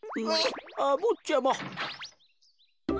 あっぼっちゃま。